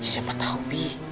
siapa tau pih